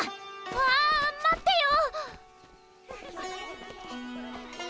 あ待ってよ！